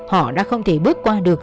họ đã không thể bước qua được